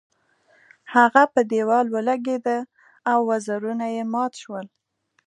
هغه په دیوال ولګیده او وزرونه یې مات شول.